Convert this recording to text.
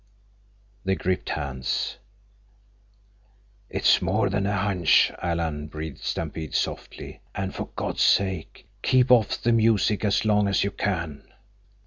They gripped hands. "It's more than a hunch, Alan," breathed Stampede softly. "And for God's sake keep off the music as long as you can!"